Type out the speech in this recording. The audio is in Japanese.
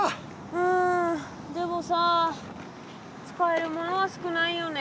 うんでもさ使えるものは少ないよね。